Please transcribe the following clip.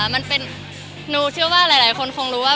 มันเป็นหนูเชื่อว่าหลายคนคงรู้ว่า